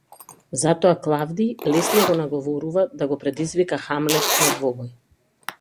Затоа Клавдиј лесно го наговорува да го предизвика Хамлет на двобој.